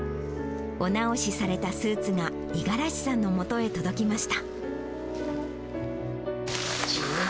お直しされたスーツが五十嵐さんのもとへ届きました。